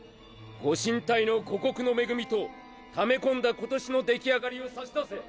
ご神体の「五穀の恵み」と貯め込んだ今年の出来上がりを差し出せ。